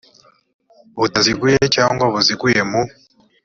butaziguye cyangwa buziguye mu